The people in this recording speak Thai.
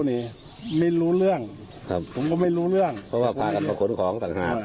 ไม่รู้เรื่องครับผมก็ไม่รู้เรื่องเพราะว่าพากันมาขนของต่างหาก